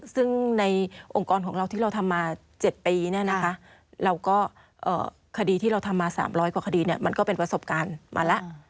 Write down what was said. ซึ่งในองค์กรของเราที่เราทำมา๗ปีที่เราทำมา๓๐๐กว่าคดีมันก็เป็นประสบการณ์มาแล้ว